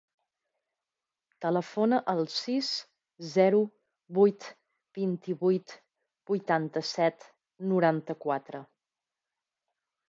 Telefona al sis, zero, vuit, vint-i-vuit, vuitanta-set, noranta-quatre.